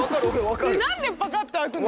何でパカって開くの？